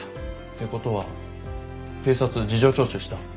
てことは警察事情聴取した？